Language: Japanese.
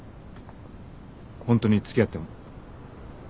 ホントに付き合っても。